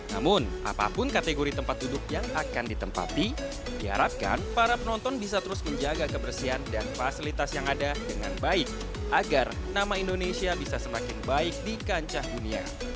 namun apapun kategori tempat duduk yang akan ditempati diharapkan para penonton bisa terus menjaga kebersihan dan fasilitas yang ada dengan baik agar nama indonesia bisa semakin baik di kancah dunia